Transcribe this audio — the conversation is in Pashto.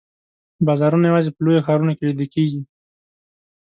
بازارونه یوازي په لویو ښارونو کې لیده کیږي.